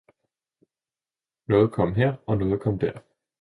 noget kom her og noget kom der.